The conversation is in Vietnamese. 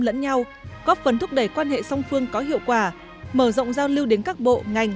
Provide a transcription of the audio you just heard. lẫn nhau góp phần thúc đẩy quan hệ song phương có hiệu quả mở rộng giao lưu đến các bộ ngành